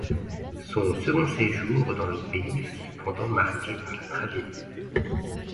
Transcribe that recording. Son second séjour dans le pays fut cependant marqué par la tragédie.